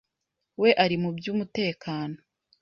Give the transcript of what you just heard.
We ari mu by’umutekano